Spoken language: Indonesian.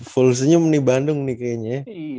full senyum di bandung nih kayaknya